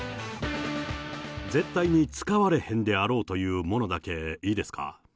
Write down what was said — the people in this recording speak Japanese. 絶対に使われへんであろうというものだけいいですか？